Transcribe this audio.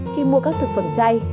khi mua các thực phẩm chay